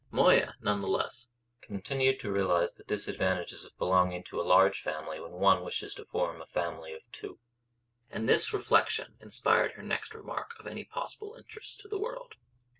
Moya none the less continued to realise the disadvantages of belonging to a large family when one wishes to form a family of two. And this reflection inspired her next remark of any possible interest to the world.